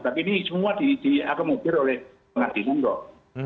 tapi ini semua diakomodir oleh pengadilan kok